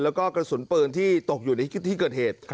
แล้วก็กระสุนปืนที่ตกอยู่ในที่เกิดเหตุ